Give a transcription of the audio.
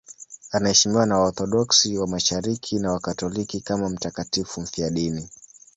Anaheshimiwa na Waorthodoksi wa Mashariki na Wakatoliki kama mtakatifu mfiadini.